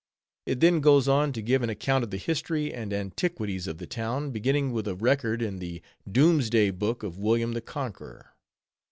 It then goes on to give an account of the history and antiquities of the town, beginning with a record in the Doomsday Book of William the Conqueror.